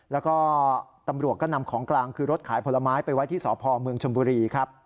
แล้วก็ตำรวจก็นำของกลางคือรถขายผลไม้ไปไว้ที่สพเมืองชมบุรีครับ